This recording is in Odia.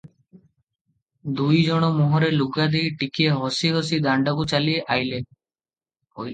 ଦୁଇ ଜଣ ମୁହଁରେ ଲୁଗା ଦେଇ ଟିକିଏ ହସି ହସି ଦାଣ୍ଡକୁ ଚାଲି ଅଇଲେ ।